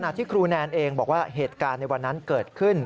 ที่ครูแนนเองบอกว่าเหตุการณ์ในวันนั้นเกิดขึ้น